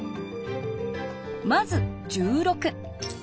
まず１６。